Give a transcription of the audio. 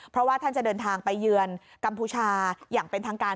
เพราะว่าท่านจะเดินทางไปเยือนกัมพูชาอย่างเป็นทางการ